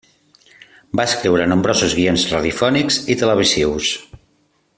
Va escriure nombrosos guions radiofònics i televisius.